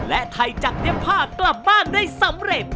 และไทยจัดเย็บผ้ากลับบ้านได้สำเร็จ